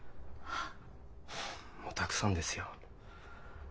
はあもうたくさんですよ。